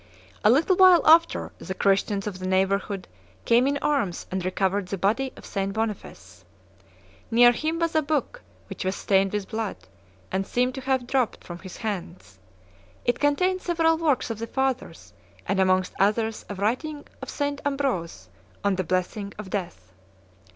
A little while after, the Christians of the neighborhood came in arms and recovered the body of St. Boniface. Near him was a book, which was stained with blood, and seemed to have dropped from his hands; it contained several works of the Fathers, and amongst others a writing of St. Ambrose "on the Blessing of Death."